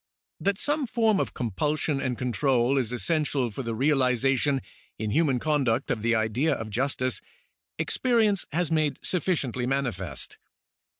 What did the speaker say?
That some form of compulsion and control is essential for the realization in human conduct of the idea of justice, experience has made sufficiently manifest.